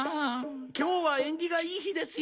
今日は縁起がいい日ですよ。